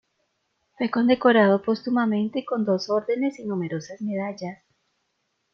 Fue condecorado póstumamente con dos órdenes y numerosas medallas.